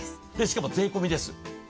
しかも、税込みです。